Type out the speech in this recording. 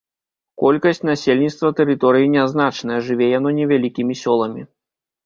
Колькасць насельніцтва тэрыторыі нязначная, жыве яно невялікімі сёламі.